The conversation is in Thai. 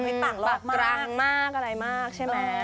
มันต่างหลอกกลางมากอะไรมากใช่ไหม